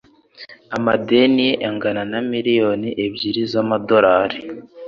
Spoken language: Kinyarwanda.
Amadeni ye angana na miliyoni ebyiri z'amadolari